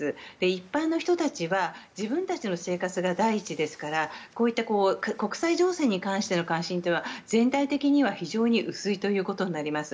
一般の人たちは自分たちの生活が第一なのでこういった国際情勢に関しての関心というのは全体的には非常に薄いということになります。